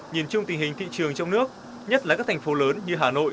nhìn chung tình hình thị trường trong nước nhất là các thành phố lớn như hà nội